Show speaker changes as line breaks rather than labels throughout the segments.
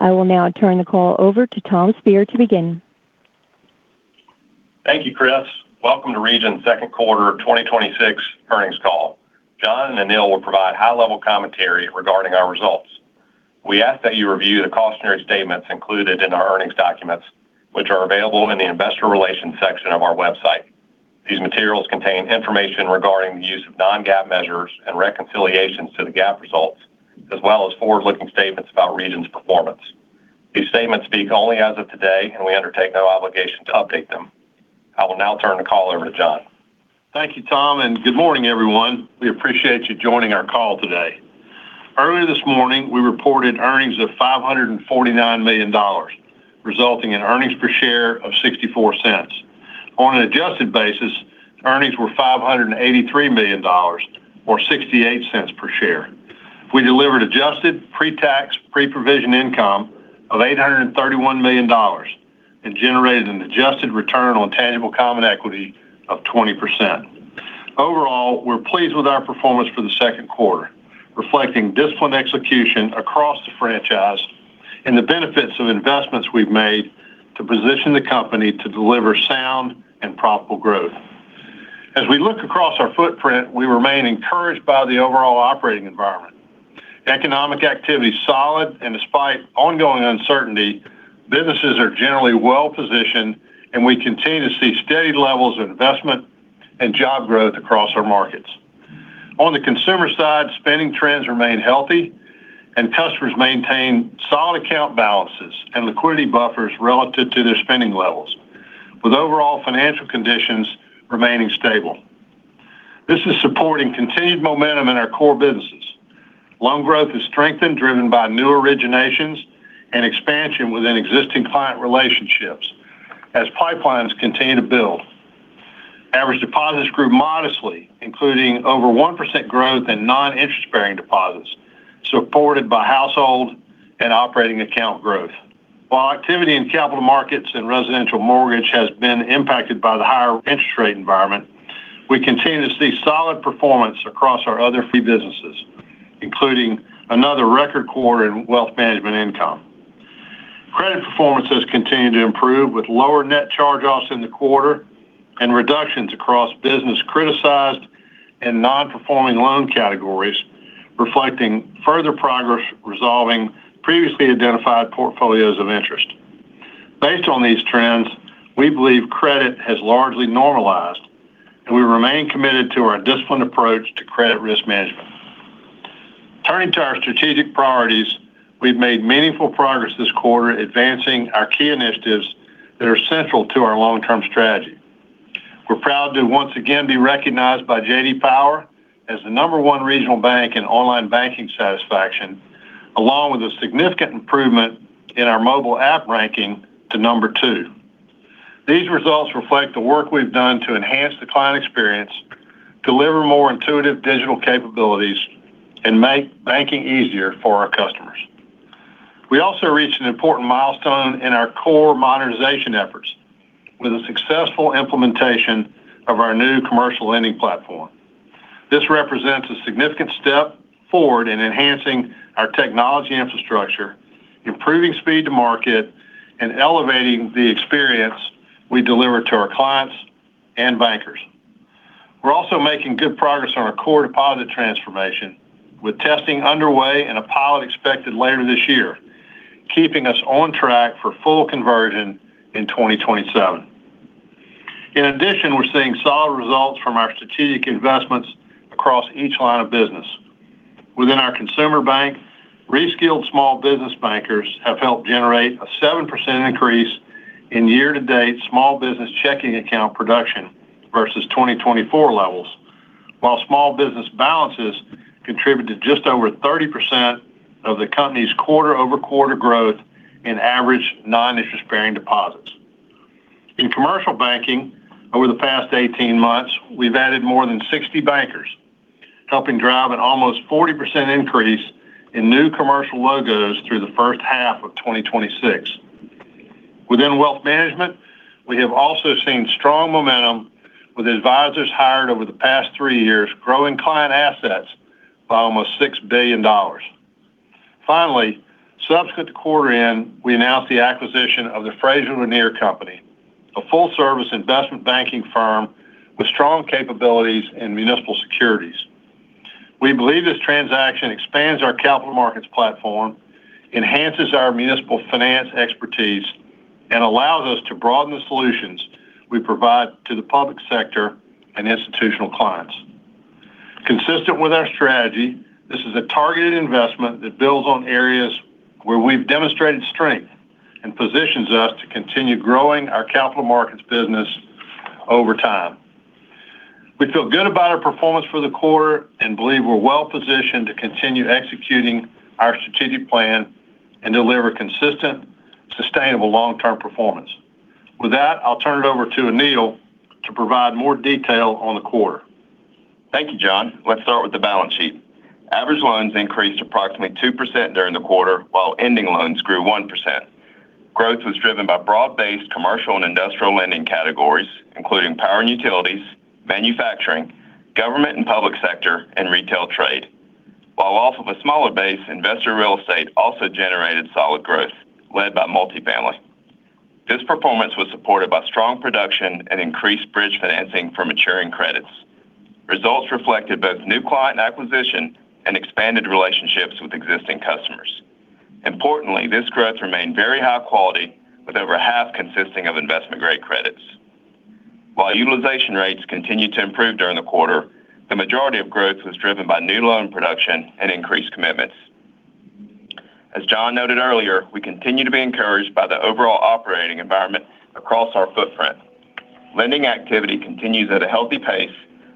I will now turn the call over to Tom Speir to begin.
Thank you, Chris. Welcome to Regions' second quarter 2026 earnings call. John and Anil will provide high-level commentary regarding our results. We ask that you review the cautionary statements included in our earnings documents, which are available in the investor relations section of our website. These materials contain information regarding the use of non-GAAP measures and reconciliations to the GAAP results, as well as forward-looking statements about Regions' performance. These statements speak only as of today, and we undertake no obligation to update them. I will now turn the call over to John.
Thank you, Tom. Good morning, everyone. We appreciate you joining our call today. Earlier this morning, we reported earnings of $549 million, resulting in earnings per share of $0.64. On an adjusted basis, earnings were $583 million or $0.68 per share. We delivered adjusted pre-tax, pre-provision income of $831 million and generated an adjusted return on tangible common equity of 20%. Overall, we're pleased with our performance for the second quarter, reflecting disciplined execution across the franchise and the benefits of investments we've made to position the company to deliver sound and profitable growth. As we look across our footprint, we remain encouraged by the overall operating environment. Economic activity is solid. Despite ongoing uncertainty, businesses are generally well-positioned, and we continue to see steady levels of investment and job growth across our markets. On the consumer side, spending trends remain healthy. Customers maintain solid account balances and liquidity buffers relative to their spending levels, with overall financial conditions remaining stable. This is supporting continued momentum in our core businesses. Loan growth has strengthened, driven by new originations and expansion within existing client relationships as pipelines continue to build. Average deposits grew modestly, including over 1% growth in non-interest-bearing deposits, supported by household and operating account growth. While activity in capital markets and residential mortgage has been impacted by the higher interest rate environment, we continue to see solid performance across our other fee businesses, including another record quarter in wealth management income. Credit performance has continued to improve, with lower net charge-offs in the quarter and reductions across business criticized and non-performing loan categories, reflecting further progress resolving previously identified portfolios of interest. Based on these trends, we believe credit has largely normalized, and we remain committed to our disciplined approach to credit risk management. Turning to our strategic priorities, we've made meaningful progress this quarter advancing our key initiatives that are central to our long-term strategy. We're proud to once again be recognized by J.D. Power as the number one regional bank in online banking satisfaction, along with a significant improvement in our mobile app ranking to number two. These results reflect the work we've done to enhance the client experience, deliver more intuitive digital capabilities, and make banking easier for our customers. We also reached an important milestone in our core modernization efforts with the successful implementation of our new commercial lending platform. This represents a significant step forward in enhancing our technology infrastructure, improving speed to market, and elevating the experience we deliver to our clients and bankers. We're also making good progress on our core deposit transformation with testing underway and a pilot expected later this year, keeping us on track for full conversion in 2027. We're seeing solid results from our strategic investments across each line of business. Within our Consumer Bank, re-skilled small business bankers have helped generate a 7% increase in year-to-date small business checking account production versus 2024 levels, while small business balances contribute to just over 30% of the company's quarter-over-quarter growth in average non-interest-bearing deposits. In Commercial Banking, over the past 18 months, we've added more than 60 bankers, helping drive an almost 40% increase in new commercial logos through the first half of 2026. Within wealth management, we have also seen strong momentum with advisors hired over the past three years, growing client assets by almost $6 billion. Subsequent to quarter end, we announced the acquisition of the Frazer Lanier Company, a full-service investment banking firm with strong capabilities in municipal securities. We believe this transaction expands our capital markets platform, enhances our municipal finance expertise, and allows us to broaden the solutions we provide to the public sector and institutional clients. Consistent with our strategy, this is a targeted investment that builds on areas where we've demonstrated strength and positions us to continue growing our capital markets business over time. We feel good about our performance for the quarter and believe we're well-positioned to continue executing our strategic plan and deliver consistent, sustainable long-term performance. I'll turn it over to Anil to provide more detail on the quarter.
Thank you, John. Let's start with the balance sheet. Average loans increased approximately 2% during the quarter, while ending loans grew 1%. Growth was driven by broad-based commercial and industrial lending categories, including power and utilities, manufacturing, government and public sector, and retail trade. While off of a smaller base, investor real estate also generated solid growth, led by multifamily. This performance was supported by strong production and increased bridge financing for maturing credits. Results reflected both new client acquisition and expanded relationships with existing customers. Importantly, this growth remained very high quality, with over half consisting of investment-grade credits. While utilization rates continued to improve during the quarter, the majority of growth was driven by new loan production and increased commitments. As John noted earlier, we continue to be encouraged by the overall operating environment across our footprint. Lending activity continues at a healthy pace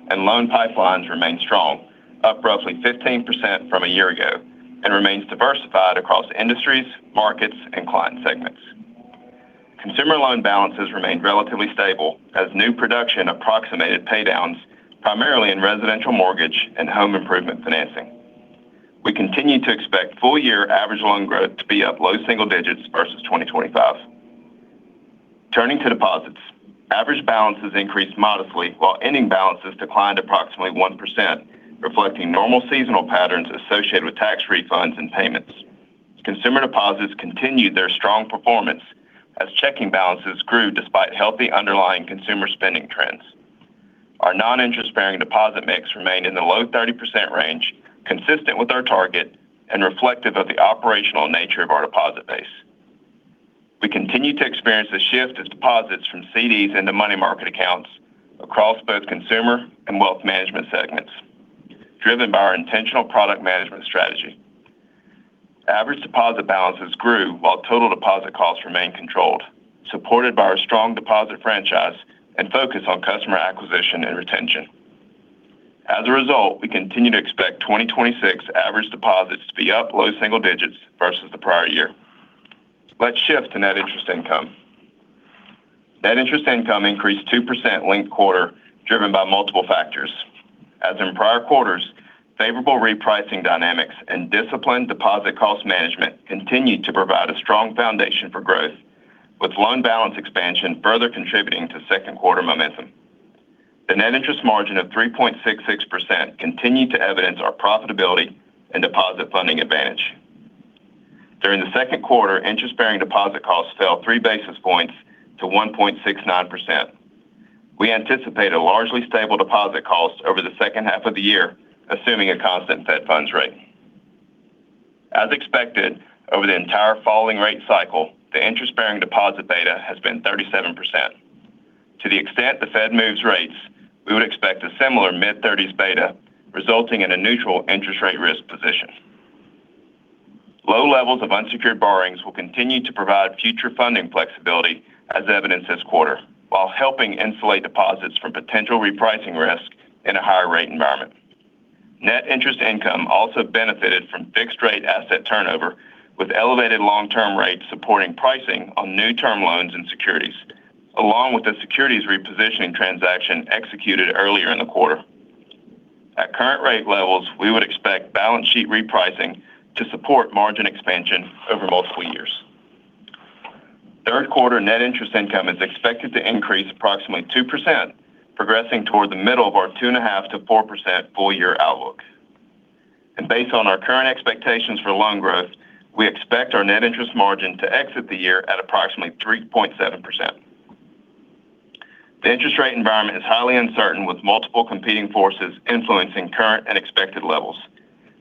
and loan pipelines remain strong, up roughly 15% from a year ago, and remains diversified across industries, markets, and client segments. Consumer loan balances remained relatively stable as new production approximated paydowns, primarily in residential mortgage and home improvement financing. We continue to expect full-year average loan growth to be up low single digits versus 2025. Turning to deposits. Average balances increased modestly while ending balances declined approximately 1%, reflecting normal seasonal patterns associated with tax refunds and payments. Consumer deposits continued their strong performance as checking balances grew despite healthy underlying consumer spending trends. Our non-interest-bearing deposit mix remained in the low 30% range, consistent with our target and reflective of the operational nature of our deposit base. We continue to experience a shift as deposits from CDs into money market accounts across both consumer and wealth management segments, driven by our intentional product management strategy. Average deposit balances grew while total deposit costs remained controlled, supported by our strong deposit franchise and focus on customer acquisition and retention. We continue to expect 2026 average deposits to be up low single digits versus the prior year. Let's shift to net interest income. Net interest income increased 2% linked quarter, driven by multiple factors. As in prior quarters, favorable repricing dynamics and disciplined deposit cost management continued to provide a strong foundation for growth, with loan balance expansion further contributing to second quarter momentum. The net interest margin of 3.66% continued to evidence our profitability and deposit funding advantage. During the second quarter, interest-bearing deposit costs fell 3 basis points to 1.69%. We anticipate a largely stable deposit cost over the second half of the year, assuming a constant Fed funds rate. As expected, over the entire falling rate cycle, the interest-bearing deposit beta has been 37%. To the extent the Fed moves rates, we would expect a similar mid-30s beta, resulting in a neutral interest rate risk position. Low levels of unsecured borrowings will continue to provide future funding flexibility as evidenced this quarter, while helping insulate deposits from potential repricing risk in a higher rate environment. Net interest income also benefited from fixed rate asset turnover, with elevated long-term rates supporting pricing on new term loans and securities, along with the securities repositioning transaction executed earlier in the quarter. At current rate levels, we would expect balance sheet repricing to support margin expansion over multiple years. Third quarter net interest income is expected to increase approximately 2%, progressing toward the middle of our 2.5%-4% full-year outlook. Based on our current expectations for loan growth, we expect our net interest margin to exit the year at approximately 3.7%. The interest rate environment is highly uncertain, with multiple competing forces influencing current and expected levels.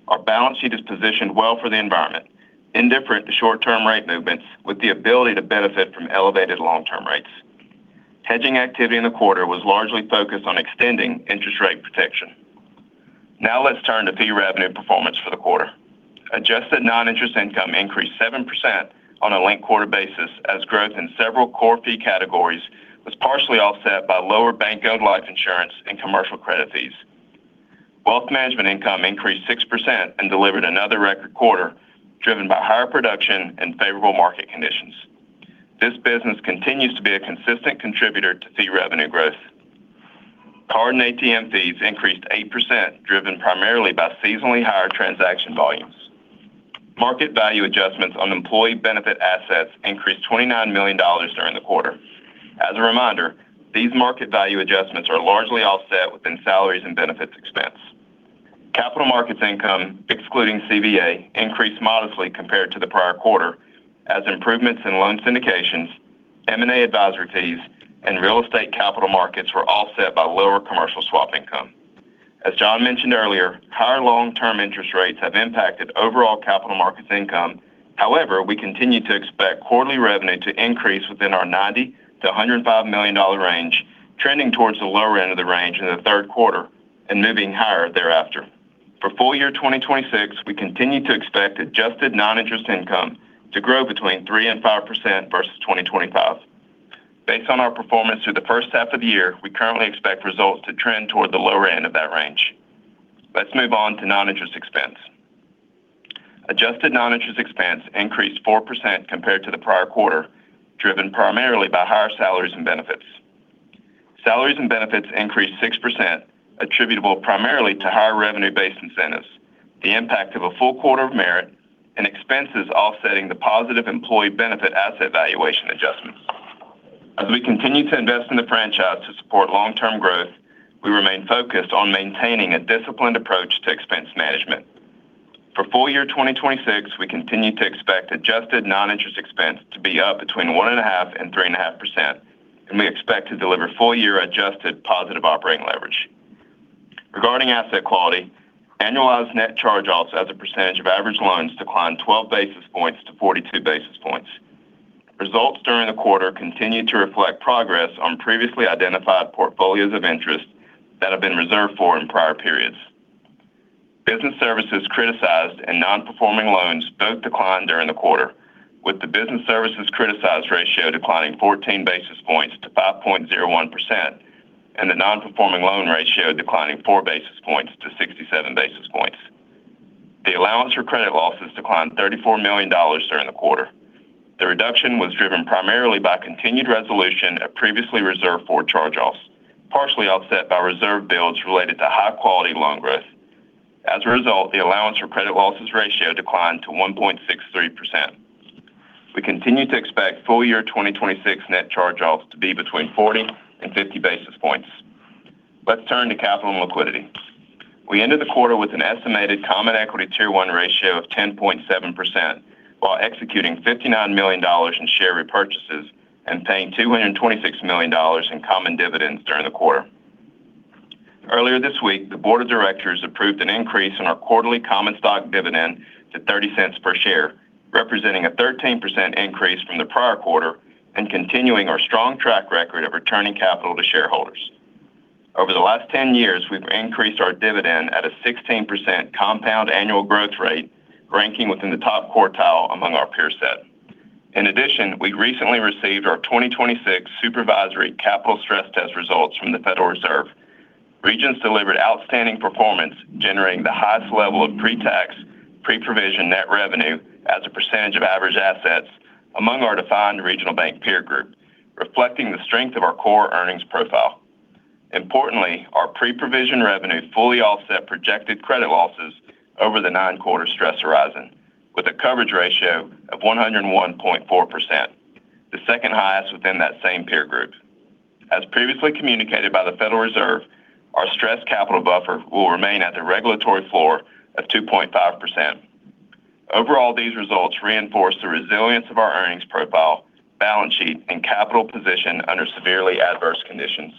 Our balance sheet is positioned well for the environment, indifferent to short-term rate movements, with the ability to benefit from elevated long-term rates. Hedging activity in the quarter was largely focused on extending interest rate protection. Let's turn to fee revenue performance for the quarter. Adjusted non-interest income increased 7% on a linked-quarter basis as growth in several core fee categories was partially offset by lower bank-owned life insurance and commercial credit fees. Wealth management income increased 6% and delivered another record quarter, driven by higher production and favorable market conditions. This business continues to be a consistent contributor to fee revenue growth. Card and ATM fees increased 8%, driven primarily by seasonally higher transaction volumes. Market value adjustments on employee benefit assets increased $29 million during the quarter. As a reminder, these market value adjustments are largely offset within salaries and benefits expense. Capital markets income, excluding CVA, increased modestly compared to the prior quarter as improvements in loan syndications, M&A advisory fees, and real estate capital markets were offset by lower commercial swap income. As John mentioned earlier, higher long-term interest rates have impacted overall capital markets income. We continue to expect quarterly revenue to increase within our $90 million-$105 million range, trending towards the lower end of the range in the third quarter and moving higher thereafter. For full year 2026, we continue to expect adjusted non-interest income to grow between 3% and 5% versus 2025. Based on our performance through the first half of the year, we currently expect results to trend toward the lower end of that range. Let's move on to non-interest expense. Adjusted non-interest expense increased 4% compared to the prior quarter, driven primarily by higher salaries and benefits. Salaries and benefits increased 6%, attributable primarily to higher revenue-based incentives, the impact of a full quarter of merit, and expenses offsetting the positive employee benefit asset valuation adjustments. As we continue to invest in the franchise to support long-term growth, we remain focused on maintaining a disciplined approach to expense management. For full year 2026, we continue to expect adjusted non-interest expense to be up between 1.5% and 3.5%, and we expect to deliver full-year adjusted positive operating leverage. Regarding asset quality, annualized net charge-offs as a percentage of average loans declined 12 basis points-42 basis points. Results during the quarter continued to reflect progress on previously identified portfolios of interest that have been reserved for in prior periods. Business services criticized and non-performing loans both declined during the quarter, with the business services criticized ratio declining 14 basis points to 5.01%, and the non-performing loan ratio declining 4 basis points-67 basis points. The allowance for credit losses declined $34 million during the quarter. The reduction was driven primarily by continued resolution of previously reserved for charge-offs, partially offset by reserve builds related to high-quality loan growth. As a result, the allowance for credit losses ratio declined to 1.63%. We continue to expect full-year 2026 net charge-offs to be between 40 basis points and 50 basis points. Let's turn to capital and liquidity. We ended the quarter with an estimated CET1 ratio of 10.7%, while executing $59 million in share repurchases and paying $226 million in common dividends during the quarter. Earlier this week, the Board of Directors approved an increase in our quarterly common stock dividend to $0.30 per share, representing a 13% increase from the prior quarter and continuing our strong track record of returning capital to shareholders. Over the last 10 years, we've increased our dividend at a 16% compound annual growth rate, ranking within the top quartile among our peer set. In addition, we recently received our 2026 supervisory capital stress test results from the Federal Reserve. Regions delivered outstanding performance, generating the highest level of pre-tax, pre-provision net revenue as a percentage of average assets among our defined regional bank peer group, reflecting the strength of our core earnings profile. Importantly, our pre-provision revenue fully offset projected credit losses over the nine-quarter stress horizon with a coverage ratio of 101.4%, the second highest within that same peer group. As previously communicated by the Federal Reserve, our stress capital buffer will remain at the regulatory floor of 2.5%. Overall, these results reinforce the resilience of our earnings profile, balance sheet, and capital position under severely adverse conditions.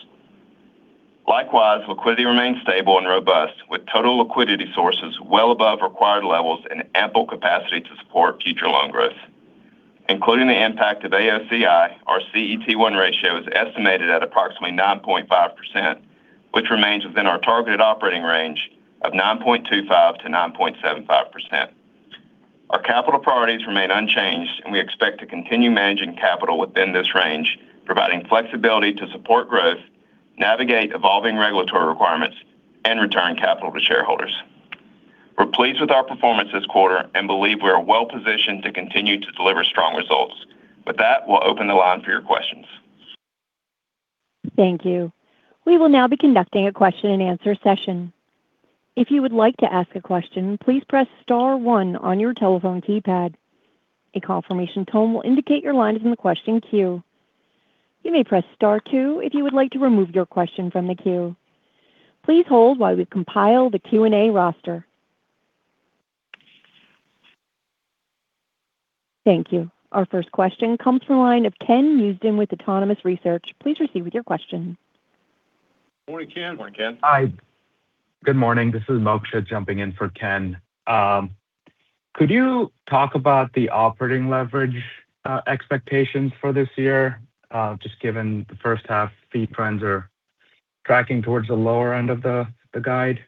Likewise, liquidity remains stable and robust with total liquidity sources well above required levels and ample capacity to support future loan growth. Including the impact of AOCI, our CET1 ratio is estimated at approximately 9.5%, which remains within our targeted operating range of 9.25%-9.75%. Our capital priorities remain unchanged, and we expect to continue managing capital within this range, providing flexibility to support growth, navigate evolving regulatory requirements, and return capital to shareholders. We're pleased with our performance this quarter and believe we are well-positioned to continue to deliver strong results. With that, we'll open the line for your questions.
Thank you. We will now be conducting a question-and-answer session. If you would like to ask a question, please press star one on your telephone keypad. A confirmation tone will indicate your line is in the question queue. You may press star two if you would like to remove your question from the queue. Please hold while we compile the Q&A roster. Thank you. Our first question comes from the line of Ken Usdin with Autonomous Research. Please proceed with your question.
Morning, Ken.
Morning, Ken.
Hi. Good morning. This is Moksha jumping in for Ken. Could you talk about the operating leverage expectations for this year? Just given the first half fee trends are tracking towards the lower end of the guide.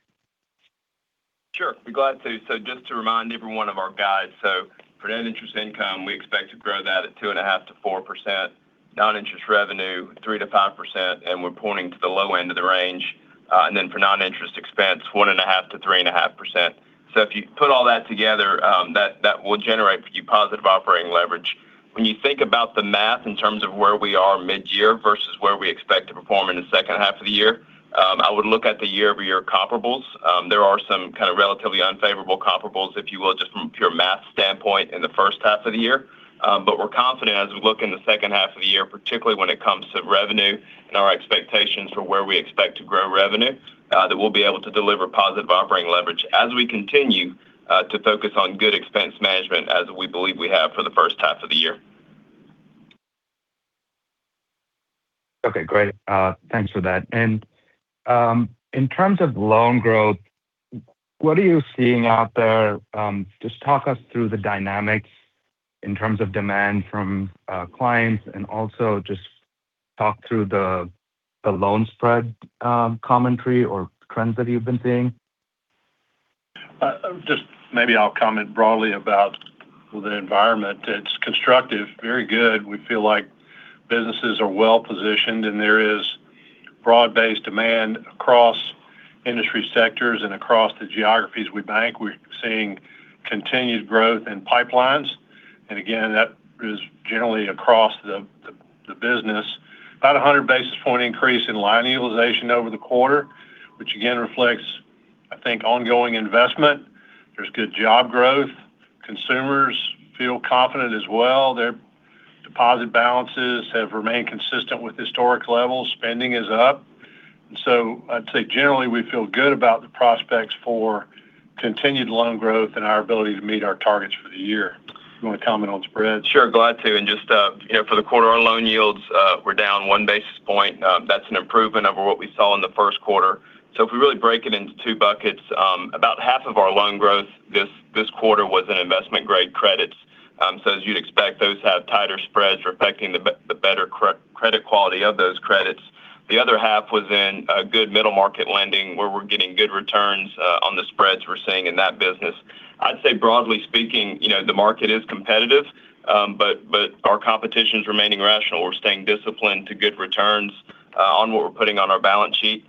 Sure. Be glad to. Just to remind everyone of our guides. For net interest income, we expect to grow that at 2.5%-4%, non-interest revenue 3%-5%, and we're pointing to the low end of the range. Then for non-interest expense, 1.5%-3.5%. If you put all that together, that will generate positive operating leverage. When you think about the math in terms of where we are mid-year versus where we expect to perform in the second half of the year, I would look at the year-over-year comparables. There are some kind of relatively unfavorable comparables, if you will, just from a pure math standpoint in the first half of the year. We're confident as we look in the second half of the year, particularly when it comes to revenue and our expectations for where we expect to grow revenue, that we'll be able to deliver positive operating leverage as we continue to focus on good expense management as we believe we have for the first half of the year.
Okay, great. Thanks for that. In terms of loan growth, what are you seeing out there? Just talk us through the dynamics in terms of demand from clients, and also just talk through the loan spread commentary or trends that you've been seeing.
Just maybe I'll comment broadly about the environment. It's constructive, very good. We feel like businesses are well-positioned, there is broad-based demand across Industry sectors across the geographies we bank, we're seeing continued growth in pipelines. Again, that is generally across the business. About 100 basis point increase in line utilization over the quarter, which again reflects, I think, ongoing investment. There's good job growth. Consumers feel confident as well. Their deposit balances have remained consistent with historic levels. Spending is up. So I'd say generally, we feel good about the prospects for continued loan growth and our ability to meet our targets for the year. You want to comment on spreads?
Sure. Glad to. Just up here for the quarter, our loan yields were down 1 basis point. That's an improvement over what we saw in the first quarter. If we really break it into two buckets, about half of our loan growth this quarter was in investment grade credits. As you'd expect, those have tighter spreads reflecting the better credit quality of those credits. The other half was in a good middle market lending, where we're getting good returns on the spreads we're seeing in that business. I'd say broadly speaking, the market is competitive, but our competition's remaining rational. We're staying disciplined to good returns on what we're putting on our balance sheet.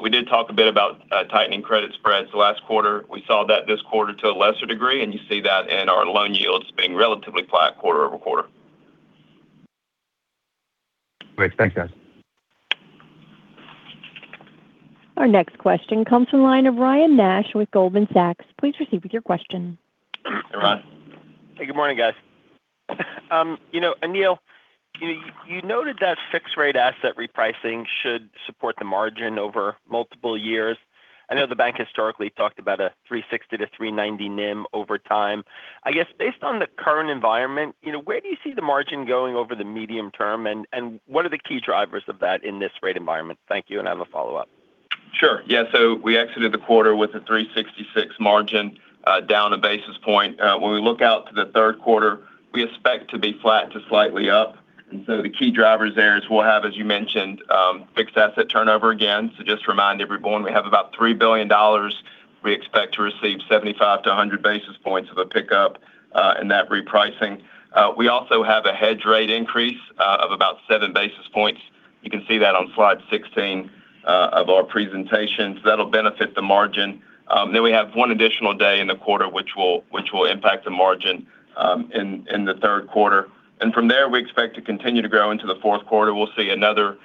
We did talk a bit about tightening credit spreads last quarter. We saw that this quarter to a lesser degree, you see that in our loan yields being relatively flat quarter-over-quarter.
Great. Thanks, guys.
Our next question comes from the line of Ryan Nash with Goldman Sachs. Please proceed with your question.
Ryan?
Hey, good morning, guys. Anil, you noted that fixed rate asset repricing should support the margin over multiple years. I know the bank historically talked about a 360-390 NIM over time. I guess based on the current environment, where do you see the margin going over the medium term, and what are the key drivers of that in this rate environment? Thank you. I have a follow-up.
Sure. Yeah. We exited the quarter with a 366 margin down 1 basis point. When we look out to the third quarter, we expect to be flat to slightly up. The key drivers there is we'll have, as you mentioned, fixed asset turnover again. Just remind everyone, we have about $3 billion. We expect to receive 75 basis points-100 basis points of a pickup in that repricing. We also have a hedge rate increase of about 7 basis points. You can see that on slide 16 of our presentations. That'll benefit the margin. We have one additional day in the quarter, which will impact the margin in the third quarter. From there, we expect to continue to grow into the fourth quarter. We'll see another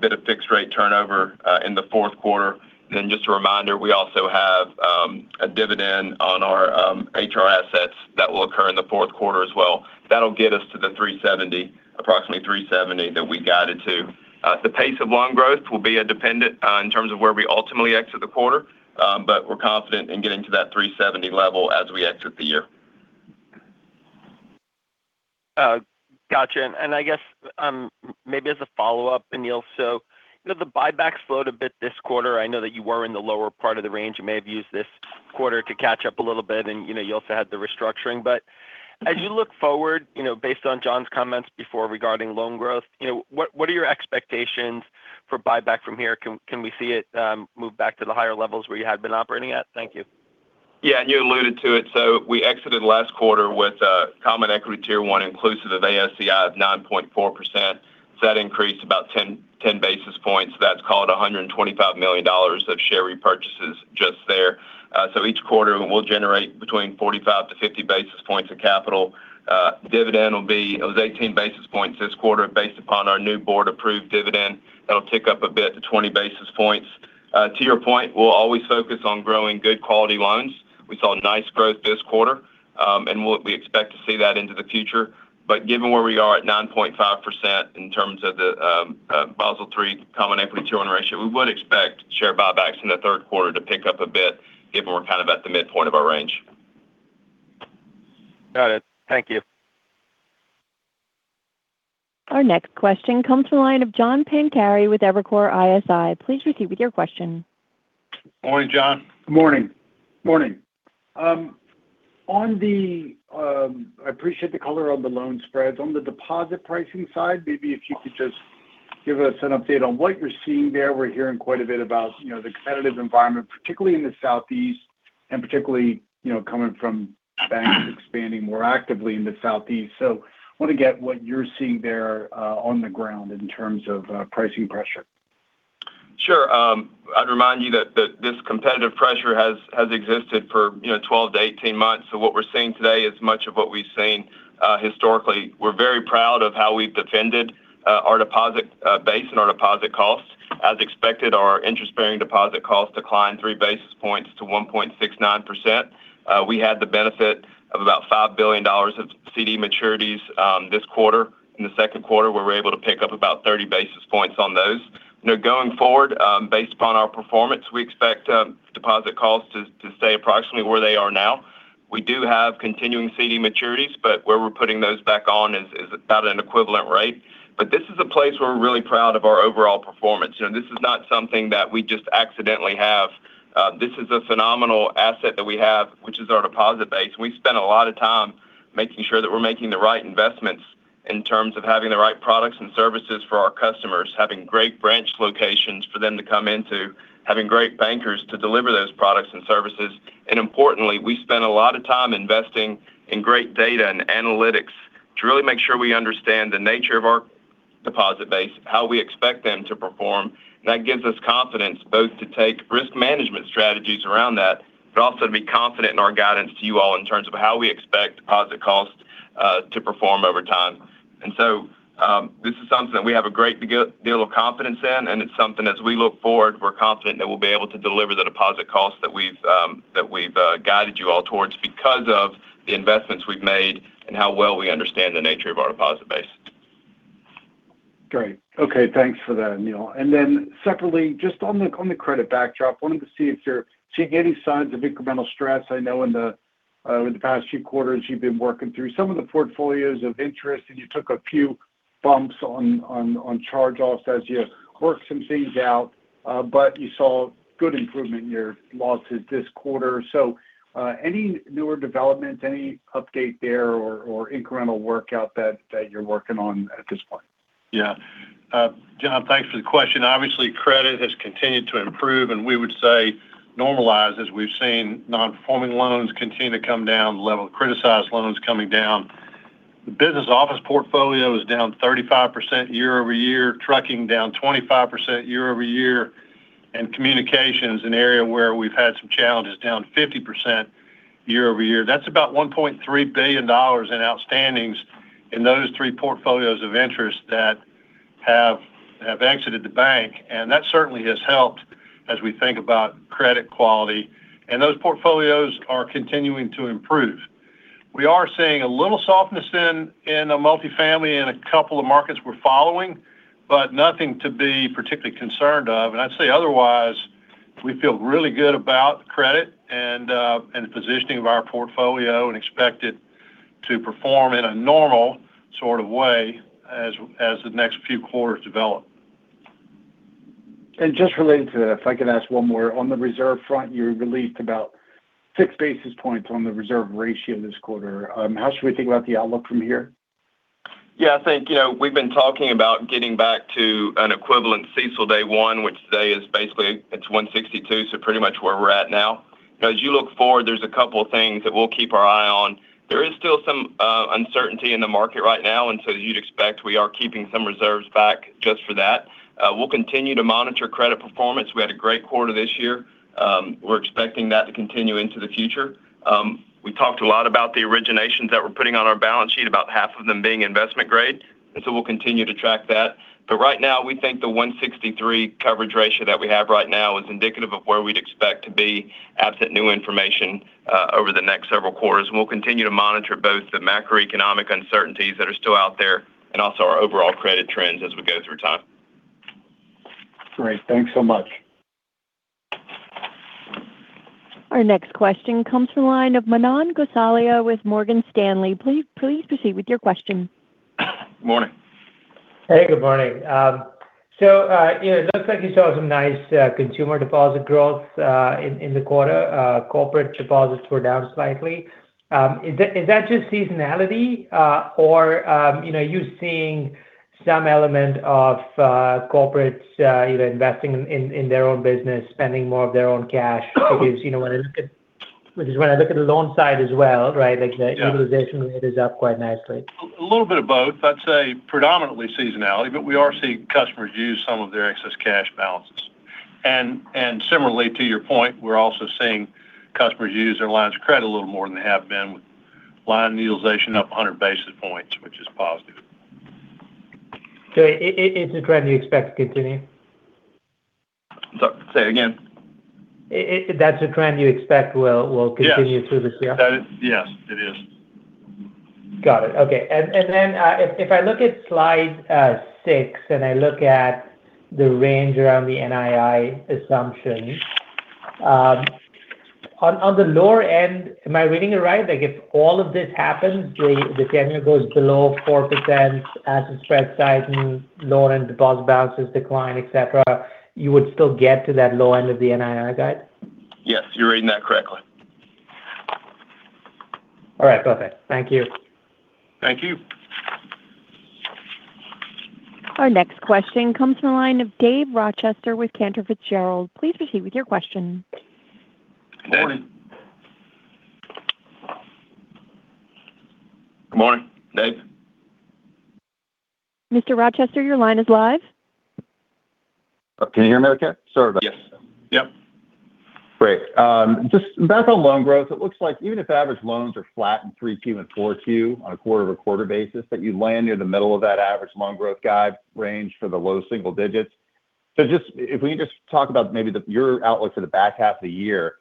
bit of fixed rate turnover in the fourth quarter. Just a reminder, we also have a dividend on our HR assets that will occur in the fourth quarter as well. That'll get us to the approximately $370 that we guided to. The pace of loan growth will be a dependent in terms of where we ultimately exit the quarter, but we're confident in getting to that $370 level as we exit the year.
Got you. I guess, maybe as a follow-up, Anil, the buyback slowed a bit this quarter. I know that you were in the lower part of the range. You may have used this quarter to catch up a little bit, and you also had the restructuring. As you look forward based on John's comments before regarding loan growth, what are your expectations for buyback from here? Can we see it move back to the higher levels where you had been operating at? Thank you.
Yeah. You alluded to it. We exited last quarter with a common equity Tier I inclusive of AOCI of 9.4%. That increased about 10 basis points. That's called $125 million of share repurchases just there. Each quarter, we'll generate between 45 basis points-50 basis points of capital. Dividend will be 18 basis points this quarter based upon our new Board-approved dividend. That'll tick up a bit to 20 basis points. To your point, we'll always focus on growing good quality loans. We saw nice growth this quarter, and we expect to see that into the future. Given where we are at 9.5% in terms of the Basel III common equity Tier I ratio, we would expect share buybacks in the third quarter to pick up a bit, given we're kind of at the midpoint of our range.
Got it. Thank you.
Our next question comes to the line of John Pancari with Evercore ISI. Please proceed with your question.
Morning, John.
Morning. I appreciate the color on the loan spreads. On the deposit pricing side, maybe if you could just give us an update on what you're seeing there. We're hearing quite a bit about the competitive environment, particularly in the Southeast and particularly coming from banks expanding more actively in the Southeast. Want to get what you're seeing there on the ground in terms of pricing pressure.
Sure. I'd remind you that this competitive pressure has existed for 12-18 months. What we're seeing today is much of what we've seen historically. We're very proud of how we've defended our deposit base and our deposit costs. As expected, our interest-bearing deposit costs declined 3 basis points to 1.69%. We had the benefit of about $5 billion of CD maturities this quarter. In the second quarter, we were able to pick up about 30 basis points on those. Going forward, based upon our performance, we expect deposit costs to stay approximately where they are now. We do have continuing CD maturities, but where we're putting those back on is about an equivalent rate. This is a place where we're really proud of our overall performance. This is not something that we just accidentally have. This is a phenomenal asset that we have, which is our deposit base. We spent a lot of time making sure that we're making the right investments in terms of having the right products and services for our customers, having great branch locations for them to come into, having great bankers to deliver those products and services. Importantly, we spent a lot of time investing in great data and analytics to really make sure we understand the nature of our deposit base, how we expect them to perform. That gives us confidence both to take risk management strategies around that, but also to be confident in our guidance to you all in terms of how we expect deposit costs to perform over time. This is something that we have a great deal of confidence in, and it's something as we look forward, we're confident that we'll be able to deliver the deposit costs that we've guided you all towards because of the investments we've made and how well we understand the nature of our deposit base.
Great. Okay. Thanks for that, Anil. Secondly, just on the credit backdrop, wanted to see if you're seeing any signs of incremental stress. I know in the past few quarters you've been working through some of the portfolios of interest, and you took a few bumps on charge-offs as you worked some things out. You saw good improvement in your losses this quarter. Any newer developments, any update there or incremental workout that you're working on at this point?
Yeah. John, thanks for the question. Obviously, credit has continued to improve, and we would say normalize as we've seen non-performing loans continue to come down, level of criticized loans coming down. The business office portfolio is down 35% year-over-year, trucking down 25% year-over-year, and communication is an area where we've had some challenges, down 50% year-over-year. That's about $1.3 billion in outstandings in those three portfolios of interest that have exited the bank, and that certainly has helped as we think about credit quality, and those portfolios are continuing to improve. We are seeing a little softness in the multifamily in a couple of markets we're following, but nothing to be particularly concerned of. I'd say otherwise, we feel really good about credit and the positioning of our portfolio and expect it to perform in a normal sort of way as the next few quarters develop.
Just related to that, if I could ask one more. On the reserve front, you relieved about 6 basis points on the reserve ratio this quarter. How should we think about the outlook from here?
I think, we've been talking about getting back to an equivalent CECL day one, which today is basically it's 162, so pretty much where we're at now. As you look forward, there's a couple of things that we'll keep our eye on. There is still some uncertainty in the market right now, so as you'd expect, we are keeping some reserves back just for that. We'll continue to monitor credit performance. We had a great quarter this year. We're expecting that to continue into the future. We talked a lot about the originations that we're putting on our balance sheet, about half of them being investment grade. So we'll continue to track that. Right now, we think the 163 coverage ratio that we have right now is indicative of where we'd expect to be absent new information over the next several quarters. We'll continue to monitor both the macroeconomic uncertainties that are still out there and also our overall credit trends as we go through time.
Great. Thanks so much.
Our next question comes from the line of Manan Gosalia with Morgan Stanley. Please proceed with your question.
Morning.
Hey, good morning. It looks like you saw some nice consumer deposit growth in the quarter. Corporate deposits were down slightly. Is that just seasonality? Or are you seeing some element of corporates either investing in their own business, spending more of their own cash, because when I look at the loan side as well, right-
Yeah.
...the utilization rate is up quite nicely.
A little bit of both. I'd say predominantly seasonality, but we are seeing customers use some of their excess cash balances. Similarly, to your point, we're also seeing customers use their lines of credit a little more than they have been with line utilization up 100 basis points, which is positive.
It's a trend you expect to continue?
Sorry, say again.
That's a trend you expect will continue-
Yes.
...through this year?
That is, yes, it is.
Got it. Okay. Then, if I look at slide six and I look at the range around the NII assumptions. On the lower end, am I reading it right? Like if all of this happens, the 10-year goes below 4%, asset spreads tighten, lower end deposit balances decline, etc, you would still get to that low end of the NII guide?
Yes, you're reading that correctly.
All right. Perfect. Thank you.
Thank you.
Our next question comes from the line of Dave Rochester with Cantor Fitzgerald. Please proceed with your question.
Good morning.
Good morning, Dave.
Mr. Rochester, your line is live.
Can you hear me okay? Sorry about that.
Yes. Yep.
Great. Just back on loan growth, it looks like even if average loans are flat in 3Q and 4Q on a quarter-over-quarter basis, that you'd land near the middle of that average loan growth guide range for the low single digits. If we can just talk about maybe your outlook for the back half of the year,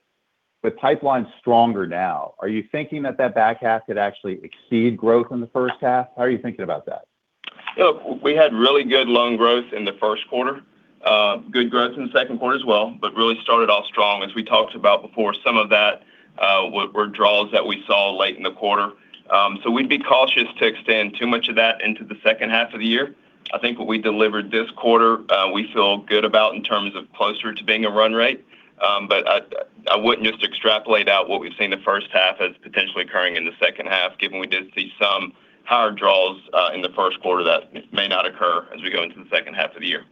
with pipeline stronger now, are you thinking that that back half could actually exceed growth in the first half? How are you thinking about that?
Look, we had really good loan growth in the first quarter. Good growth in the second quarter as well, but really started off strong. As we talked about before, some of that were draws that we saw late in the quarter. We'd be cautious to extend too much of that into the second half of the year. I think what we delivered this quarter, we feel good about in terms of closer to being a run rate. I wouldn't just extrapolate out what we've seen the first half as potentially occurring in the second half, given we did see some higher draws in the first quarter that may not occur as we go into the second half of the year.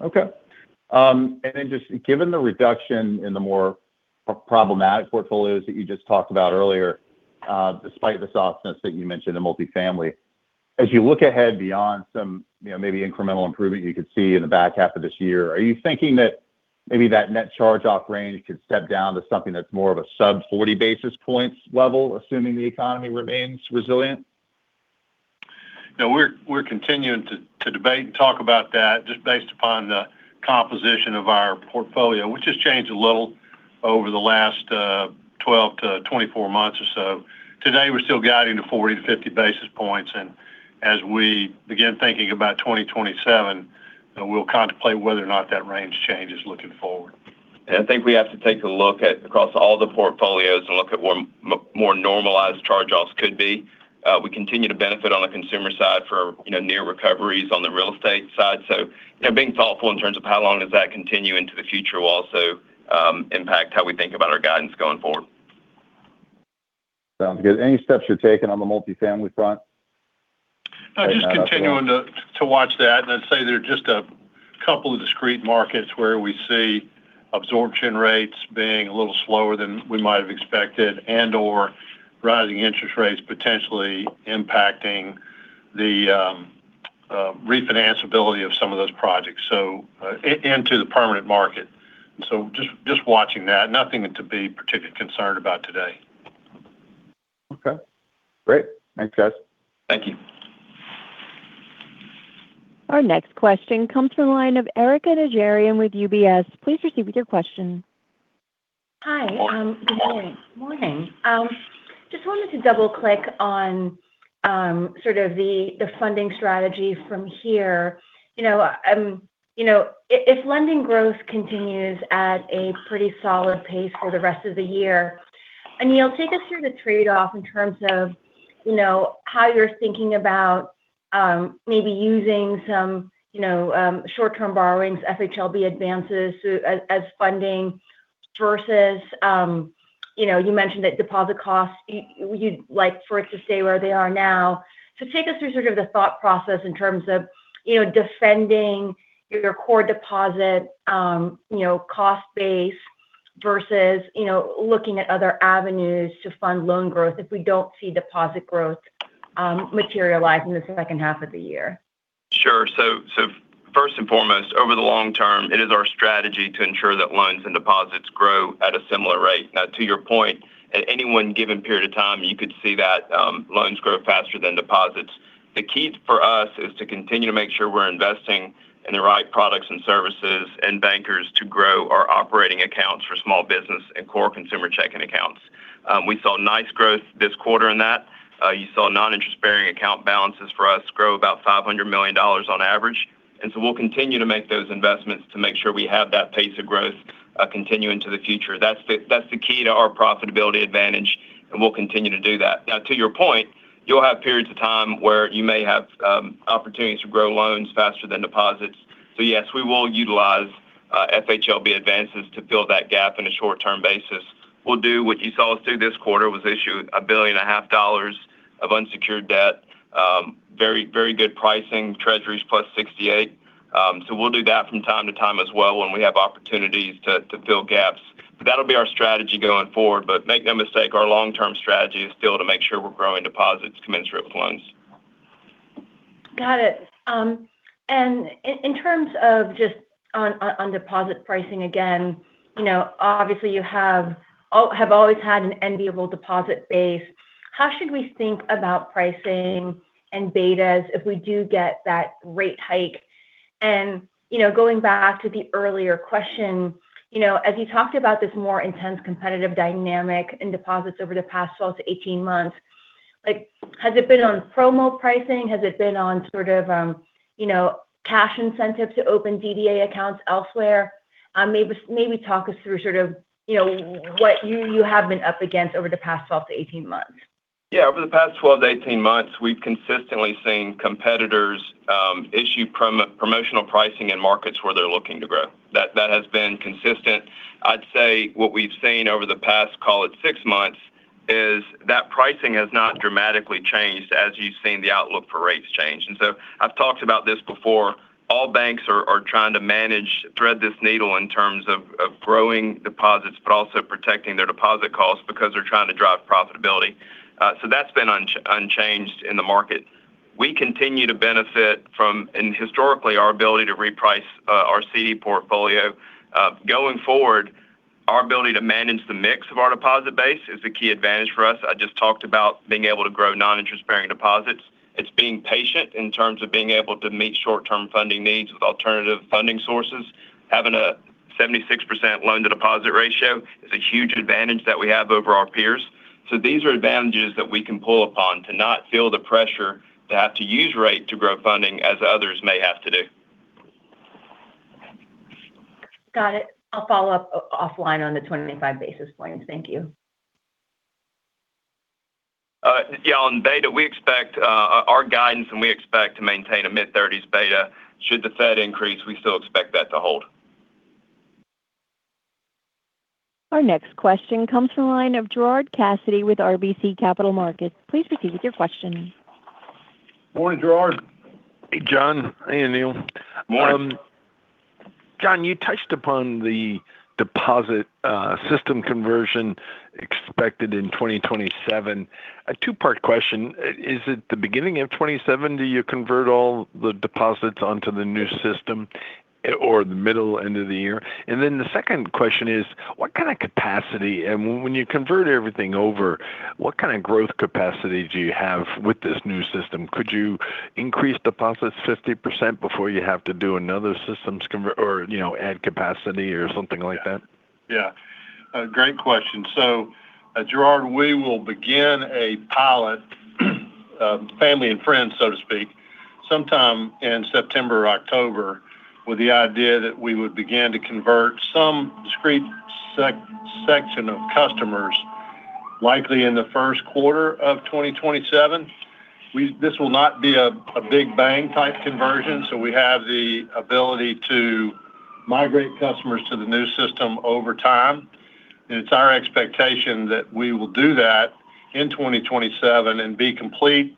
Okay. Just given the reduction in the more problematic portfolios that you just talked about earlier, despite the softness that you mentioned in multifamily, as you look ahead beyond some maybe incremental improvement you could see in the back half of this year, are you thinking that maybe that net charge-off range could step down to something that's more of a sub 40 basis points level, assuming the economy remains resilient?
No, we're continuing to debate and talk about that just based upon the composition of our portfolio, which has changed a little over the last 12-24 months or so. Today, we're still guiding to 40 basis points-50 basis points, and as we begin thinking about 2027, we'll contemplate whether or not that range changes looking forward.
I think we have to take a look at across all the portfolios and look at what more normalized charge-offs could be. We continue to benefit on the consumer side for near recoveries on the real estate side. Being thoughtful in terms of how long does that continue into the future will also impact how we think about our guidance going forward.
Sounds good. Any steps you're taking on the multifamily front?
Just continuing to watch that. I'd say there are just a couple of discrete markets where we see absorption rates being a little slower than we might have expected and/or rising interest rates potentially impacting the refinance ability of some of those projects into the permanent market. Just watching that. Nothing to be particularly concerned about today.
Okay, great. Thanks, guys.
Thank you.
Our next question comes from the line of Erika Najarian with UBS. Please proceed with your question.
Hi. Good morning. Just wanted to double-click on sort of the funding strategy from here. If lending growth continues at a pretty solid pace for the rest of the year, Anil, take us through the trade-off in terms of how you're thinking about maybe using some short-term borrowings, FHLB advances as funding versus you mentioned that deposit costs, you'd like for it to stay where they are now. Take us through sort of the thought process in terms of defending your core deposit cost base versus looking at other avenues to fund loan growth if we don't see deposit growth materialize in the second half of the year.
Sure. First and foremost, over the long term, it is our strategy to ensure that loans and deposits grow at a similar rate. To your point, at any one given period of time, you could see that loans grow faster than deposits. The key for us is to continue to make sure we're investing in the right products and services and bankers to grow our operating accounts for small business and core consumer checking accounts. We saw nice growth this quarter in that. You saw non-interest-bearing account balances for us grow about $500 million on average. We'll continue to make those investments to make sure we have that pace of growth continue into the future. That's the key to our profitability advantage, and we'll continue to do that. To your point, you'll have periods of time where you may have opportunities to grow loans faster than deposits. Yes, we will utilize FHLB advances to fill that gap in a short-term basis. We'll do what you saw us do this quarter was issue $1.5 Of unsecured debt. Very good pricing, treasuries $+68. We'll do that from time to time as well when we have opportunities to fill gaps. That'll be our strategy going forward. Make no mistake, our long-term strategy is still to make sure we're growing deposits commensurate with loans.
Got it. In terms of just on deposit pricing, again, obviously you have always had an enviable deposit base. How should we think about pricing and betas if we do get that rate hike? Going back to the earlier question, as you talked about this more intense competitive dynamic in deposits over the past 12-18 months, has it been on promo pricing? Has it been on sort of cash incentives to open DDA accounts elsewhere? Maybe talk us through sort of what you have been up against over the past 12-18 months.
Yeah. Over the past 12-18 months, we've consistently seen competitors issue promotional pricing in markets where they're looking to grow. That has been consistent. I'd say what we've seen over the past, call it six months, is that pricing has not dramatically changed as you've seen the outlook for rates change. I've talked about this before. All banks are trying to manage, thread this needle in terms of growing deposits, but also protecting their deposit costs because they're trying to drive profitability. That's been unchanged in the market. We continue to benefit from, and historically, our ability to reprice our CD portfolio. Going forward, our ability to manage the mix of our deposit base is a key advantage for us. I just talked about being able to grow non-interest-bearing deposits. It's being patient in terms of being able to meet short-term funding needs with alternative funding sources. Having a 76% loan-to-deposit ratio is a huge advantage that we have over our peers. These are advantages that we can pull upon to not feel the pressure to have to use rate to grow funding as others may have to do.
Got it. I'll follow up offline on the 25 basis points. Thank you.
Yeah, on beta, our guidance and we expect to maintain a mid-30s beta. Should the Fed increase, we still expect that to hold.
Our next question comes from the line of Gerard Cassidy with RBC Capital Markets. Please proceed with your question.
Morning, Gerard.
Hey, John. Hey, Anil.
Morning.
Can you touched upon the deposit system conversion expected in 2027. A two-part question. Is it the beginning of 2027 do you convert all the deposits onto the new system, or the middle, end of the year? The second question is what kind of capacity, and when you convert everything over, what kind of growth capacity do you have with this new system? Could you increase deposits 50% before you have to do another systems conversion or add capacity or something like that?
Yeah. Great question. Gerard, we will begin a pilot family and friends, so to speak, sometime in September or October with the idea that we would begin to convert some discrete section of customers, likely in the first quarter of 2027. This will not be a big bang type conversion, so we have the ability to migrate customers to the new system over time. It's our expectation that we will do that in 2027 and be complete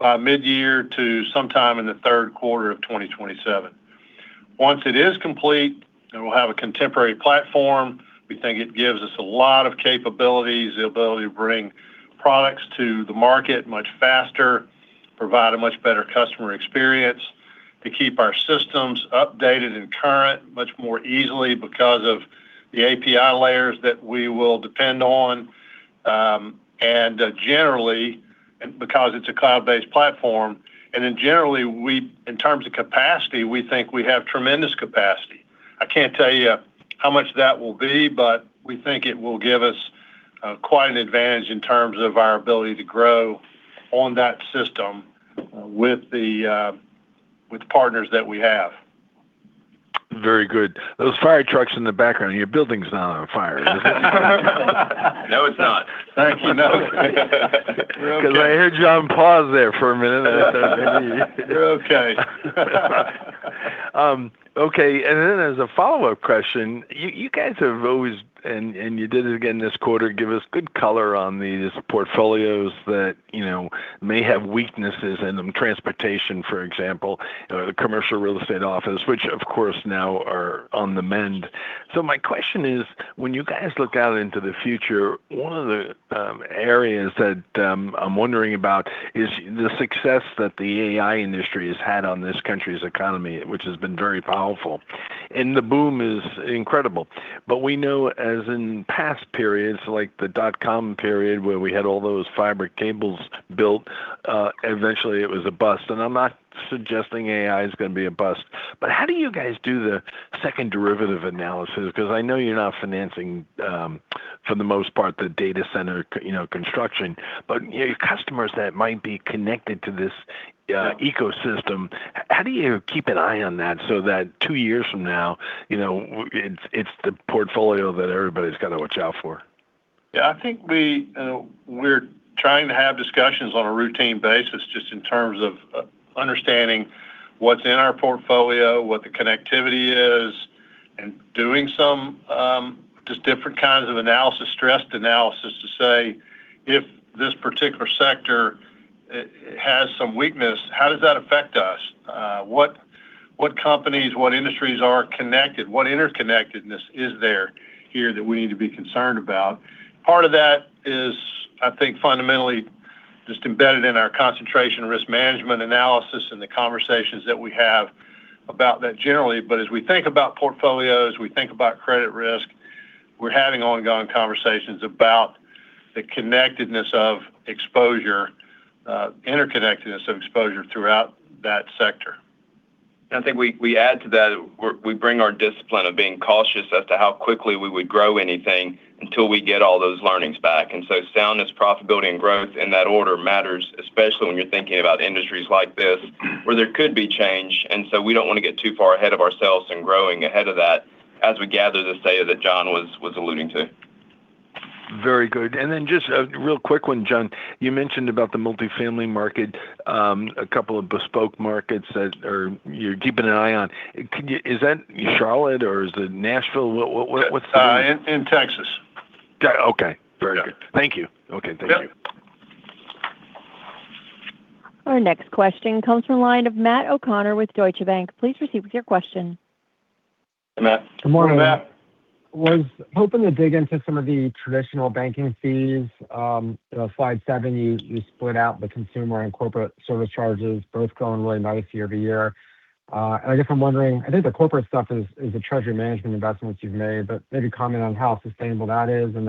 by mid-year to sometime in the third quarter of 2027. Once it is complete, and we'll have a contemporary platform. We think it gives us a lot of capabilities, the ability to bring products to the market much faster, provide a much better customer experience, to keep our systems updated and current much more easily because of the API layers that we will depend on. Generally, because it's a cloud-based platform, and then generally in terms of capacity, we think we have tremendous capacity. I can't tell you how much that will be, but we think it will give us quite an advantage in terms of our ability to grow on that system with partners that we have.
Very good. Those fire trucks in the background, your building's not on fire, is it?
No, it's not.
Thank you. No.
We're okay.
I heard John pause there for a minute, and I thought maybe.
We're okay.
Okay. As a follow-up question, you guys have always, and you did it again this quarter, give us good color on these portfolios that may have weaknesses in them. Transportation, for example, commercial real estate office, which of course now are on the mend. My question is, when you guys look out into the future, one of the areas that I'm wondering about is the success that the AI industry has had on this country's economy, which has been very powerful, and the boom is incredible. We know as in past periods, like the dot-com period where we had all those fiber cables built, eventually it was a bust. I'm not suggesting AI is going to be a bust. How do you guys do the second derivative analysis? Because I know you're not financing, for the most part, the data center construction. Your customers that might be connected to this ecosystem, how do you keep an eye on that so that two years from now it's the portfolio that everybody's got to watch out for?
Yeah, I think we're trying to have discussions on a routine basis just in terms of understanding what's in our portfolio, what the connectivity is, and doing some just different kinds of analysis, stress analysis to say if this particular sector has some weakness, how does that affect us? What companies, what industries are connected? What interconnectedness is there here that we need to be concerned about? Part of that is, I think, fundamentally just embedded in our concentration risk management analysis and the conversations that we have about that generally. As we think about portfolios, we think about credit risk, we're having ongoing conversations about the connectedness of exposure, interconnectedness of exposure throughout that sector.
I think we add to that, we bring our discipline of being cautious as to how quickly we would grow anything until we get all those learnings back. Soundness, profitability, and growth in that order matters, especially when you're thinking about industries like this where there could be change. We don't want to get too far ahead of ourselves in growing ahead of that as we gather the data that John was alluding to.
Very good. Just a real quick one, John. You mentioned about the multifamily market, a couple of bespoke markets that you're keeping an eye on. Is that Charlotte or is it Nashville? What's the-
In Texas.
Okay. Very good.
Yeah.
Thank you. Okay, thank you.
Yep.
Our next question comes from the line of Matt O'Connor with Deutsche Bank. Please proceed with your question.
Hey, Matt.
Good morning, Matt.
Was hoping to dig into some of the traditional banking fees. Slide seven, you split out the consumer and corporate service charges both growing really nice year-over-year. I guess I'm wondering, I think the corporate stuff is the treasury management investments you've made, but maybe comment on how sustainable that is. On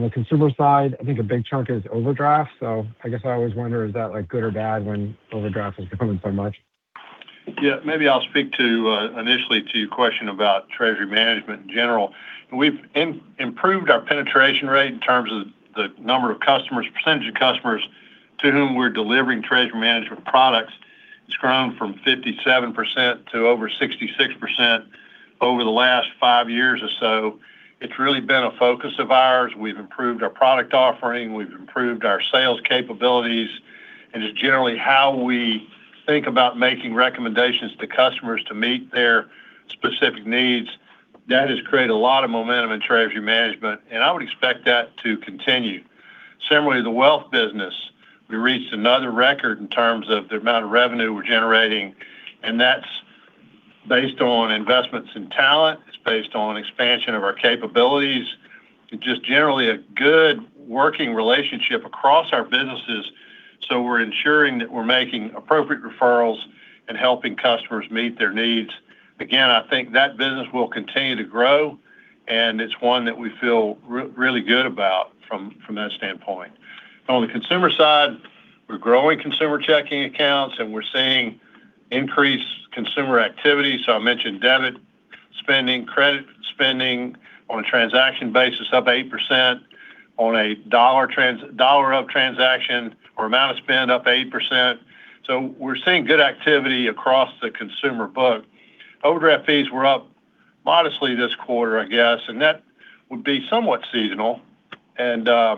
the consumer side, I think a big chunk is overdraft. I guess I always wonder, is that good or bad when overdraft is growing so much?
Yeah, maybe I'll speak initially to your question about treasury management in general. We've improved our penetration rate in terms of the number of customers, percentage of customers to whom we're delivering treasury management products. It's grown from 57% to over 66% over the last five years or so. It's really been a focus of ours. We've improved our product offering. We've improved our sales capabilities. Just generally how we think about making recommendations to customers to meet their specific needs. That has created a lot of momentum in treasury management, and I would expect that to continue. Similarly, the wealth business, we reached another record in terms of the amount of revenue we're generating, and that's based on investments in talent. It's based on expansion of our capabilities and just generally a good working relationship across our businesses. We're ensuring that we're making appropriate referrals and helping customers meet their needs. Again, I think that business will continue to grow, and it's one that we feel really good about from that standpoint. On the consumer side, we're growing consumer checking accounts, and we're seeing increased consumer activity. I mentioned debit spending, credit spending on a transaction basis up 8% on $1 of transaction or amount of spend up 8%. We're seeing good activity across the consumer book. Overdraft fees were up modestly this quarter, I guess, and that would be somewhat seasonal. I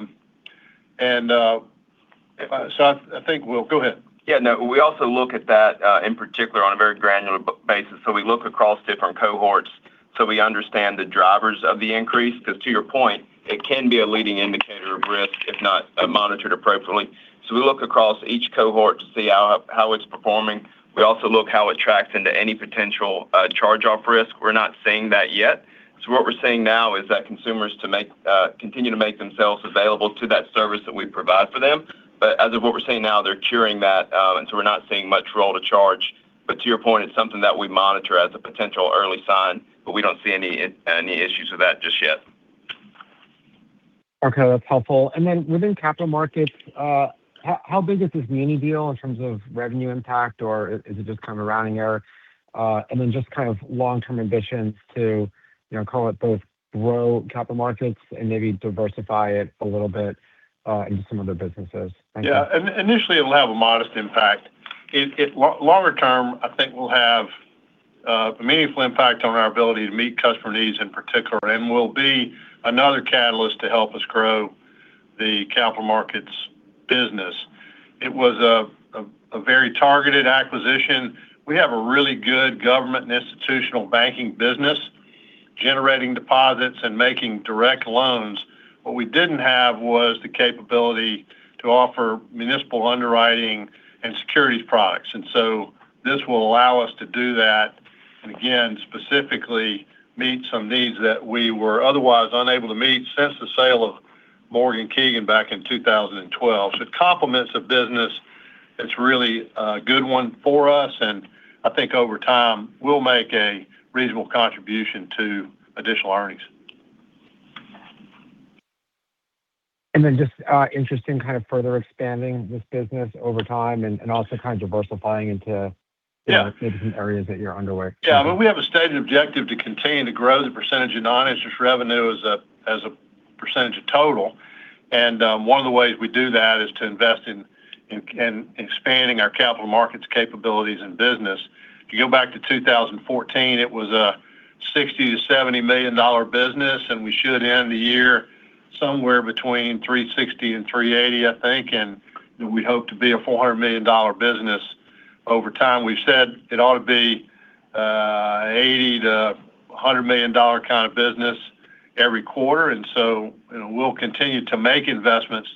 think we'll. Go ahead.
Yeah, no. We also look at that, in particular, on a very granular basis. We look across different cohorts so we understand the drivers of the increase, because to your point, it can be a leading indicator of risk if not monitored appropriately. We look across each cohort to see how it's performing. We also look how it tracks into any potential charge-off risk. We're not seeing that yet. What we're seeing now is that consumers continue to make themselves available to that service that we provide for them. As of what we're seeing now, they're curing that, we're not seeing much roll to charge. To your point, it's something that we monitor as a potential early sign, but we don't see any issues with that just yet.
Okay. That's helpful. Within capital markets, how big is this muni deal in terms of revenue impact, or is it just kind of a rounding error? Just kind of long-term ambitions to call it both grow capital markets and maybe diversify it a little bit into some other businesses. Thank you.
Yeah. Initially, it'll have a modest impact. Longer term, I think we'll have a meaningful impact on our ability to meet customer needs in particular and will be another catalyst to help us grow the capital markets business. It was a very targeted acquisition. We have a really good government and institutional banking business generating deposits and making direct loans. What we didn't have was the capability to offer municipal underwriting and securities products. This will allow us to do that, and again, specifically meet some needs that we were otherwise unable to meet since the sale of Morgan Keegan back in 2012. It complements the business. It's really a good one for us, and I think over time, we'll make a reasonable contribution to additional earnings.
Just interest in kind of further expanding this business over time and also kind of diversifying into-
Yeah.
...different areas that you're underway.
Yeah. I mean, we have a stated objective to continue to grow the percentage of non-interest revenue as a percentage of total. One of the ways we do that is to invest in expanding our capital markets capabilities and business. If you go back to 2014, it was a $60 million-$70 million business, and we should end the year somewhere between $360 million and $380 million, I think. We hope to be a $400 million business over time. We've said it ought to be an $80 million-$100 million kind of business every quarter. We'll continue to make investments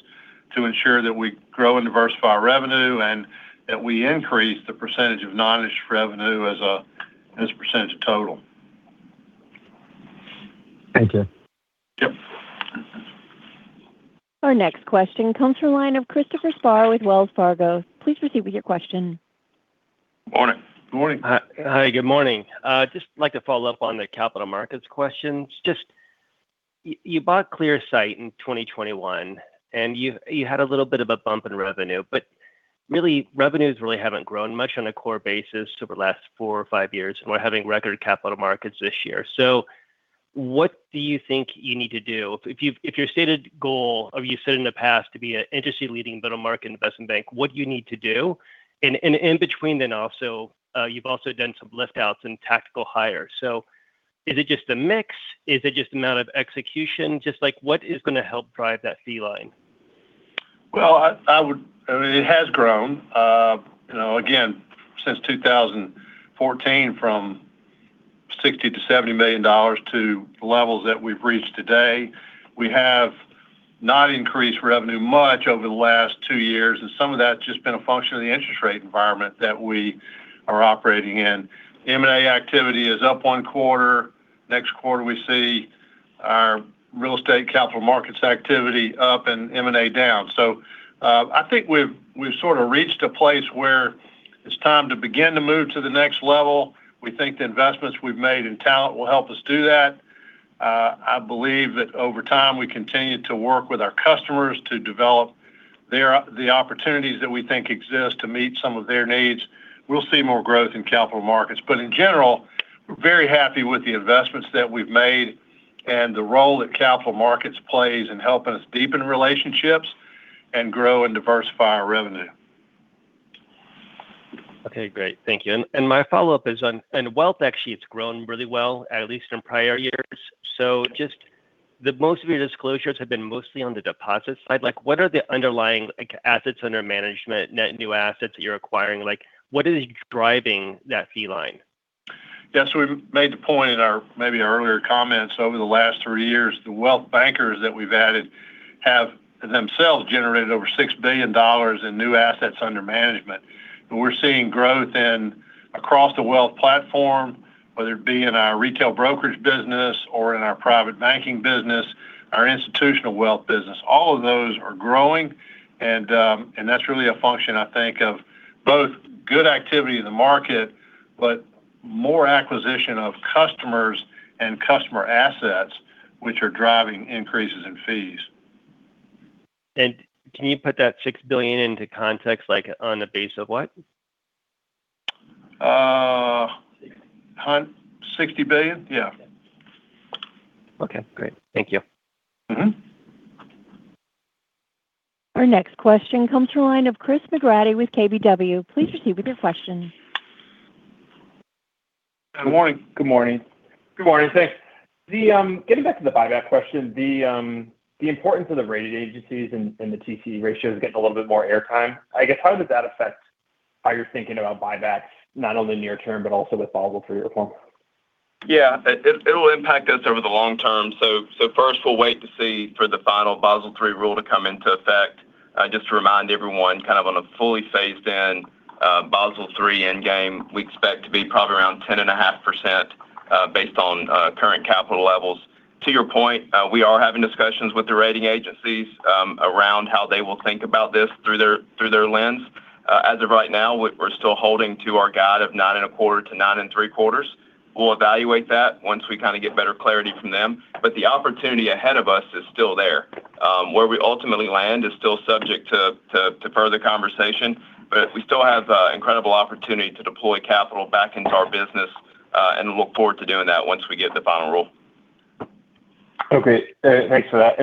to ensure that we grow and diversify our revenue, and that we increase the percentage of non-interest revenue as a percentage of total.
Thank you.
Yep.
Our next question comes from the line of Christopher Spahr with Wells Fargo. Please proceed with your question.
Morning.
Good morning. I'd like to follow up on the capital markets questions. You bought Clearsight in 2021, and you had a little bit of a bump in revenue, but really revenues really haven't grown much on a core basis over the last four or five years, and we're having record capital markets this year. What do you think you need to do? If your stated goal, or you said in the past to be an industry-leading middle market investment bank, what do you need to do? In between then also, you've also done some lift-outs and tactical hires. Is it just a mix? Is it just amount of execution? Like, what is going to help drive that fee line?
Well, I mean, it has grown. Again, since 2014 from $60 million-$70 million to the levels that we've reached today. We have not increased revenue much over the last two years, and some of that's just been a function of the interest rate environment that we are operating in. M&A activity is up one quarter. Next quarter, we see our real estate capital markets activity up and M&A down. I think we've sort of reached a place where it's time to begin to move to the next level. We think the investments we've made in talent will help us do that. I believe that over time, we continue to work with our customers to develop the opportunities that we think exist to meet some of their needs. We'll see more growth in capital markets. In general, we're very happy with the investments that we've made and the role that capital markets plays in helping us deepen relationships and grow and diversify our revenue.
Okay, great. Thank you. My follow-up is on wealth. Actually, it's grown really well, at least in prior years. Most of your disclosures have been mostly on the deposit side. What are the underlying assets under management, net new assets that you're acquiring? What is driving that fee line?
Yes. We made the point in maybe our earlier comments. Over the last three years, the wealth bankers that we've added have themselves generated over $6 billion in new assets under management. We're seeing growth across the wealth platform, whether it be in our retail brokerage business or in our private banking business, our institutional wealth business. All of those are growing, that's really a function, I think, of both good activity in the market, but more acquisition of customers and customer assets, which are driving increases in fees.
Can you put that $6 billion into context, like on the base of what?
$60 billion. Yeah.
Okay, great. Thank you.
Our next question comes through the line of Chris McGratty with KBW. Please proceed with your question.
Good morning.
Good morning.
Good morning. Thanks. Getting back to the buyback question, the importance of the rating agencies and the TCE ratio is getting a little bit more airtime. I guess, how does that affect how you're thinking about buybacks, not only near term, but also with Basel III reform?
Yeah. It'll impact us over the long term. First, we'll wait to see for the final Basel III rule to come into effect. Just to remind everyone, on a fully phased in Basel III Endgame, we expect to be probably around 10.5% based on current capital levels. To your point, we are having discussions with the rating agencies around how they will think about this through their lens. As of right now, we're still holding to our guide of 9.25%-9.75%. We'll evaluate that once we get better clarity from them. The opportunity ahead of us is still there. Where we ultimately land is still subject to further conversation. We still have incredible opportunity to deploy capital back into our business, and look forward to doing that once we get the final rule.
Okay. Thanks for that.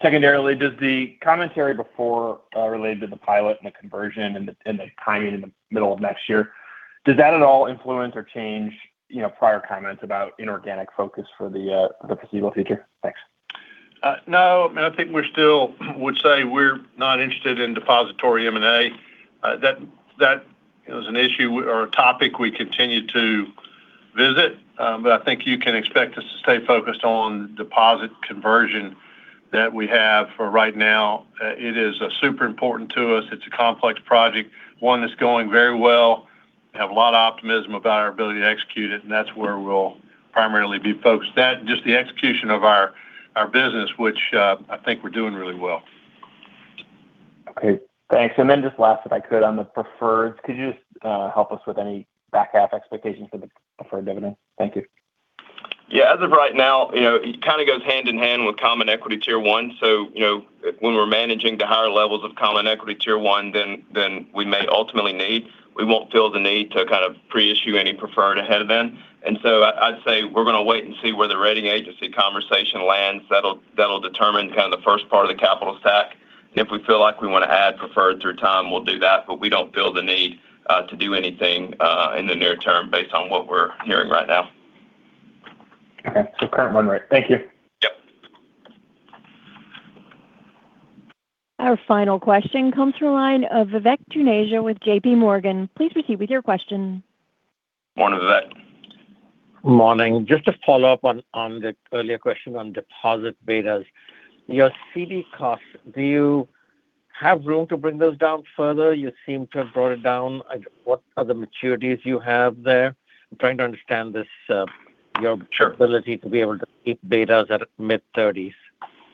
Secondarily, does the commentary before related to the pilot and the conversion and the timing in the middle of next year, does that at all influence or change prior comments about inorganic focus for the foreseeable future? Thanks.
No, I think we still would say we're not interested in depository M&A. That is an issue or a topic we continue to visit. I think you can expect us to stay focused on deposit conversion that we have for right now. It is super important to us. It's a complex project, one that's going very well. We have a lot of optimism about our ability to execute it, and that's where we'll primarily be focused. That and just the execution of our business, which I think we're doing really well.
Okay, thanks. Just last, if I could, on the preferreds, could you just help us with any back half expectations for the preferred dividend? Thank you.
Yeah. As of right now, it kind of goes hand in hand with common equity Tier I. When we're managing to higher levels of common equity Tier I than we may ultimately need, we won't feel the need to pre-issue any preferred ahead of then. I'd say we're going to wait and see where the rating agency conversation lands. That'll determine the first part of the capital stack. If we feel like we want to add preferred through time, we'll do that, but we don't feel the need to do anything in the near term based on what we're hearing right now.
Okay. Current run rate. Thank you.
Yep.
Our final question comes through the line of Vivek Juneja with JPMorgan. Please proceed with your question.
Morning, Vivek.
Morning. Just to follow up on the earlier question on deposit betas. Your CD costs, do you have room to bring those down further? You seem to have brought it down. What are the maturities you have there-
Sure.
...your ability to be able to keep betas at mid-30s/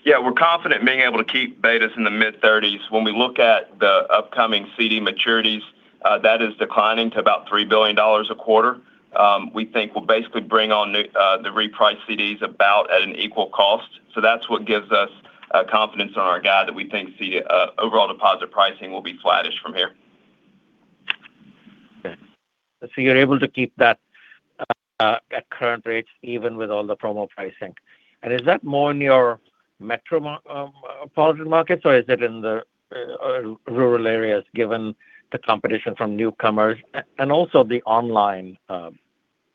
Yeah. We're confident being able to keep betas in the mid-30s. When we look at the upcoming CD maturities, that is declining to about $3 billion a quarter. We think we'll basically bring on the repriced CDs about at an equal cost. That's what gives us confidence on our guide that we think the overall deposit pricing will be flattish from here.
Okay. You're able to keep that at current rates even with all the promo pricing. Is that more in your metropolitan markets, or is it in the rural areas, given the competition from newcomers and also the online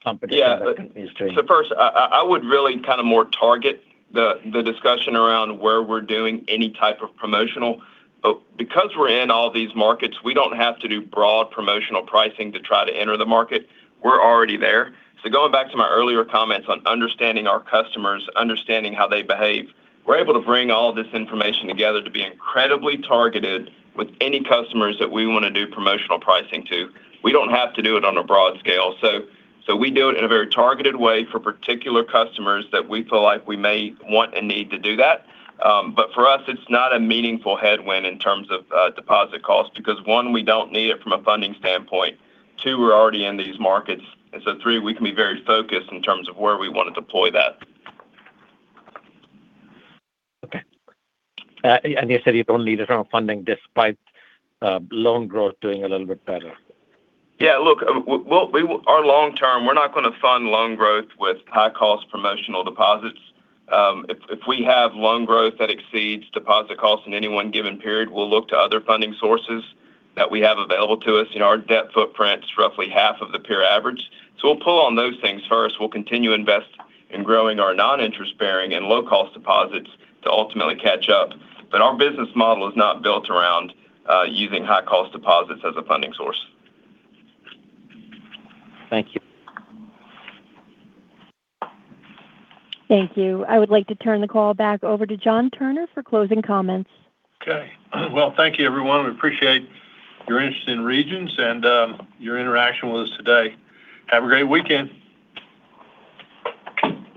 competition that continues?
First, I would really more target the discussion around where we're doing any type of promotional. Because we're in all these markets, we don't have to do broad promotional pricing to try to enter the market. We're already there. Going back to my earlier comments on understanding our customers, understanding how they behave, we're able to bring all this information together to be incredibly targeted with any customers that we want to do promotional pricing to. We don't have to do it on a broad scale. We do it in a very targeted way for particular customers that we feel like we may want and need to do that. For us, it's not a meaningful headwind in terms of deposit cost because one, we don't need it from a funding standpoint. Two, we're already in these markets. Three, we can be very focused in terms of where we want to deploy that.
Okay. You said you don't need it around funding despite loan growth doing a little bit better?
Yeah. Look, our long term, we're not going to fund loan growth with high-cost promotional deposits. If we have loan growth that exceeds deposit costs in any one given period, we'll look to other funding sources that we have available to us. Our debt footprint's roughly half of the peer average. We'll pull on those things first. We'll continue to invest in growing our non-interest-bearing and low-cost deposits to ultimately catch up. Our business model is not built around using high-cost deposits as a funding source.
Thank you.
Thank you. I would like to turn the call back over to John Turner for closing comments.
Okay. Well, thank you everyone. We appreciate your interest in Regions and your interaction with us today. Have a great weekend.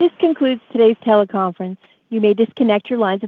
This concludes today's teleconference. You may disconnect your lines.